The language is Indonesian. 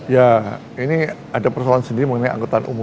ya ini ada persoalan sendiri mengenai angkutan umum